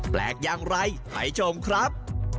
แปลกอย่างไรไปชมครับ